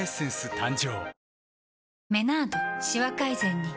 誕生